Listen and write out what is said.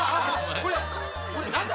これ何だ？